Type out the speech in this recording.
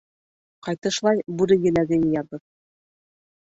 Ҡайтышлай бүре еләге йыябыҙ.